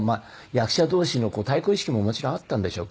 役者同士の対抗意識ももちろんあったんでしょうけど。